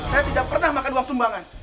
saya tidak pernah makan uang sumbangan